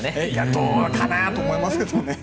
どうかなと思いますけどね。